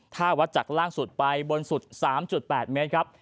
ถ้าวัดจากล่างสุดไปบนสุด๓๘เมตรครับ